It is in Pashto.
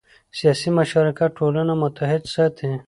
سیاسي مشارکت ټولنه متحد ساتي